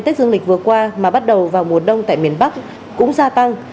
tết dương lịch vừa qua mà bắt đầu vào mùa đông tại miền bắc cũng gia tăng